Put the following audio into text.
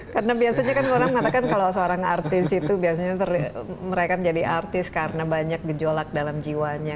karena biasanya kan orang mengatakan kalau seorang artis itu biasanya mereka menjadi artis karena banyak gejolak dalam jiwanya